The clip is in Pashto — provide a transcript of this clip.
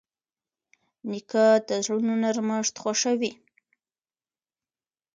نیکه د زړونو نرمښت خوښوي.